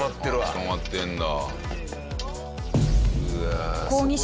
捕まってるんだ。